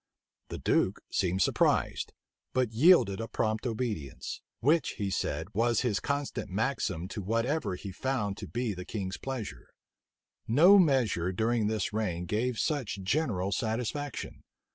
The duke seemed surprised; but yielded a prompt obedience: which, he said, was his constant maxim to whatever he found to be the king's pleasure. No measure during this reign gave such general satisfaction.